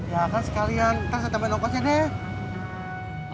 ya kan sekalian ntar saya tambahin lokasinya ya